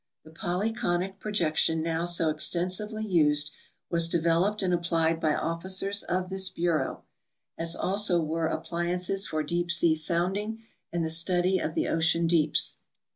Tlie pol3^conic projection now so extensivel}^ used was developed and applied by officers of this bureau, as also were appliances for deep sea sounding and the stud}' of the ocean deeps.